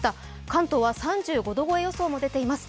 関東は３５度超え予想も出ています。